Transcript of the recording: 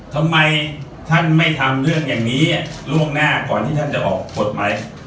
ทำไมท่านไม่ทำเรื่องอย่างนี้ล่วงหน้าก่อนที่ท่านจะออกกฎหมาย